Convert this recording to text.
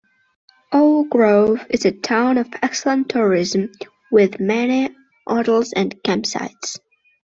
O Grove is a town of excellent tourism, with many hotels and campsites.